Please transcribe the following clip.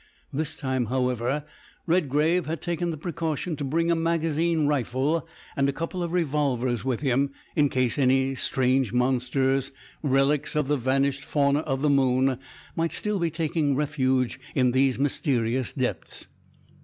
This time, however, Redgrave had taken the precaution to bring a magazine rifle and a couple of revolvers with him in case any strange monsters, relics of the vanished fauna of the moon, might still be taking refuge in these mysterious depths.